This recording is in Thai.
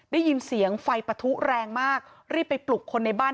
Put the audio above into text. ได้ยินเสียงไฟปะทุแรงมากรีบไปปลุกคนในบ้าน